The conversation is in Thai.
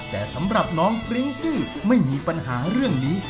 แต่สำหรับน้องฟริ้งกี้ไม่มีปัญหาเรื่องนี้